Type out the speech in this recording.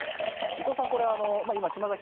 伊藤さん